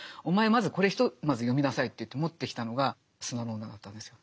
まずこれひとまず読みなさいと言って持ってきたのが「砂の女」だったんですよ。